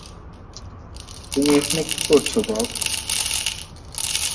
তুমি এখানে কী করছো, বব?